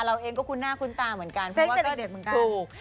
เราเองก็คุ้นหน้าคุ้นตาเหมือนกันเพราะว่าก็ถูก